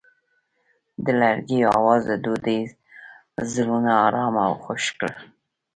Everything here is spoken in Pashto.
د لرګی اواز د دوی زړونه ارامه او خوښ کړل.